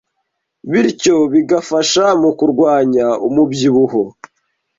bityo bigafasha mu kurwanya umubyibuho